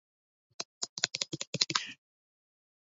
ძველი აფსიდა გარედან მთლიანად დაფარულია ახალი კედლებით.